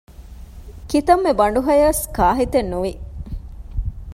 ކިތަންމެ ބަނޑުހަޔަސް ކާހިތެއް ނުވި